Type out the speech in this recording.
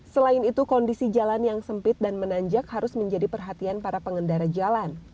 selain itu kondisi jalan yang sempit dan menanjak harus menjadi perhatian para pengendara jalan